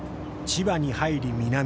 千葉に入り南